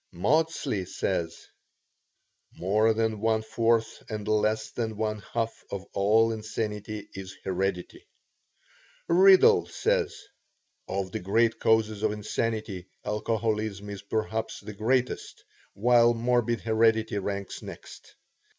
Maudsley says: "More than one fourth and less than one half of all insanity is heredity." Riddell says: "Of the great causes of insanity, alcoholism is perhaps the greatest, while morbid heredity ranks next.